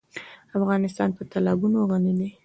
افغانستان په تالابونه غني دی.